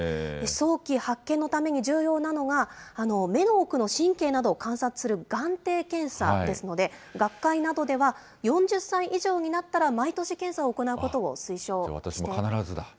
早期発見のために重要なのが、目の奥の神経などを観察する眼底検査ですので、学会などでは４０歳以上になったら、毎年検査を行うことを推奨しています。